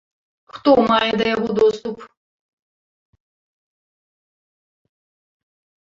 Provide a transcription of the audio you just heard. Хто мае да яго доступ?